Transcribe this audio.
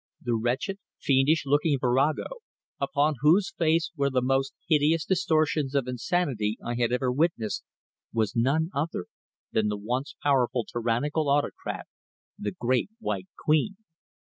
The wretched, fiendish looking virago, upon whose face were the most hideous distortions of insanity I had ever witnessed, was none other than the once powerful tyrannical autocrat, the Great White Queen!